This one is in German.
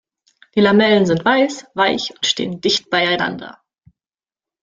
Die Lamellen sind weiß, weich und stehen dicht beieinander.